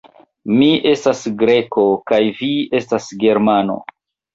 Mi estas Greko, kaj vi estas Germano.